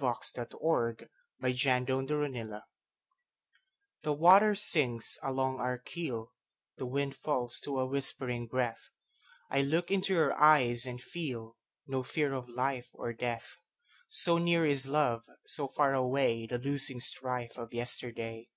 1900. By SophieJewett 1502 Armistice THE WATER sings along our keel, The wind falls to a whispering breath;I look into your eyes and feelNo fear of life or death; So near is love, so far awayThe losing strife of yesterday.